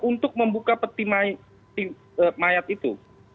untuk membuka peti mayat itu